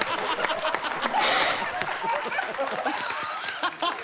ハハハハ！